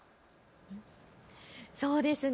そうですね。